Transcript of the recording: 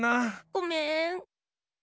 ごめん。